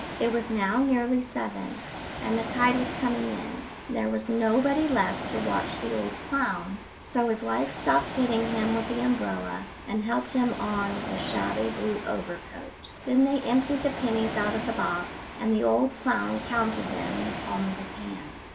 It was now nearly seven, and the tide was coming in, and there was nobody left to watch the old clown, so his wife stopped hitting him with the umbrella and helped him on with a shabby blue overcoat. Then they emptied the pennies out of the box, and the old clown counted them in the palm of his hand.